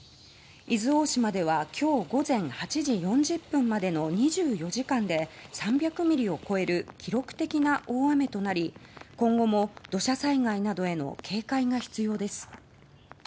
伊豆大島では今日午前８時４０分までの２４時間で３００ミリを超える記録的な大雨となり今後も土砂災害などへの警戒が必要です。